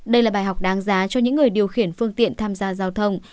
đây là bài học đáng giá cho những người điều khiển phương tiện tham gia giao thông